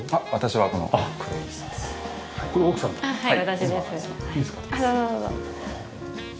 はい。